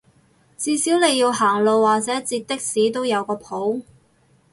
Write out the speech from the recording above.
至少你要行路或者截的士都有個譜